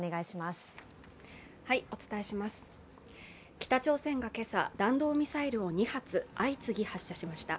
北朝鮮が今朝、弾道ミサイルを２発、相次ぎ発射しました。